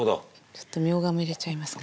ちょっとみょうがも入れちゃいますね。